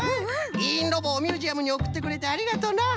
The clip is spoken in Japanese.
いいんロボをミュージアムにおくってくれてありがとな。